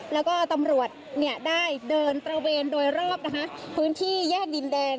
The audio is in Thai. แล้วก็ตำรวจได้เดินตระเวนโดยรอบนะคะพื้นที่แยกดินแดง